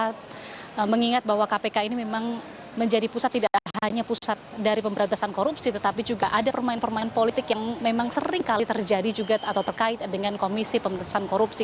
karena mengingat bahwa kpk ini memang menjadi pusat tidak hanya pusat dari pemberantasan korupsi tetapi juga ada permain permain politik yang memang sering kali terjadi juga atau terkait dengan komisi pemerintahan korupsi